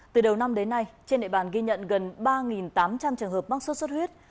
từ đầu năm đến nay trên địa bàn ghi nhận gần ba tám trăm linh trường hợp mắc sốt xuất huyết